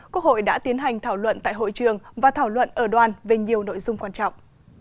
quốc hội đã tiến hành thảo luận tại hội trường và thảo luận ở đoàn về nhiều nội dung quan trọng